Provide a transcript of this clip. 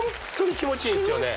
気持ちいいんですよ